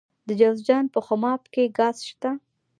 د جوزجان په خماب کې ګاز شته.